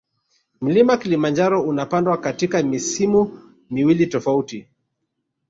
Mlima kilimanjaro unapandwa katika misimu miwili tofauti